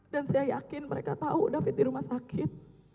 dan saya yakin mereka tahu david di rumah sakit